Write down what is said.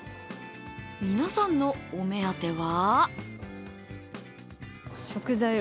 皆さんのお目当ては？